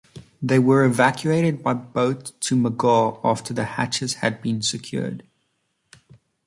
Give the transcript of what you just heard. They were evacuated by boat to "McGaw" after the hatches had been secured.